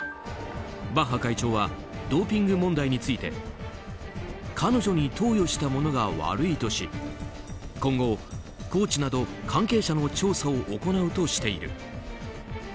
バッハ会長はドーピング問題について彼女に投与した者が悪いとし今後、コーチなど関係者の調査を行うとしている。